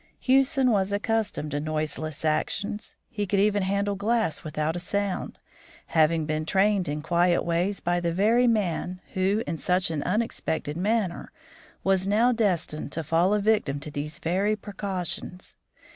Hewson was accustomed to noiseless actions; he could even handle glass without a sound, having been trained in quiet ways by the very man who, in such an unexpected manner, was now destined to fall a victim to these very precautions.